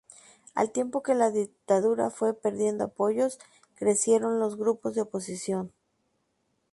Al tiempo que la Dictadura fue perdiendo apoyos, crecieron los grupos de oposición.